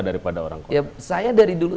daripada orang kota ya saya dari dulu